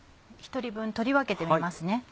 １人分取り分けてみますね。